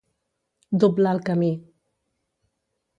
Doblar el camí.